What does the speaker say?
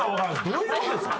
どういう事ですか？